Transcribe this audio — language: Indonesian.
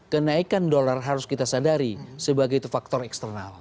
kenaikan dolar harus kita sadari sebagai faktor eksternal